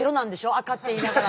赤って言いながら。